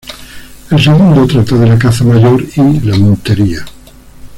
El segundo trata de la caza mayor y la montería.